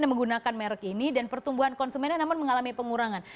yang menggunakan merek ini dan pertumbuhan konsumennya namun mengalami pengurangan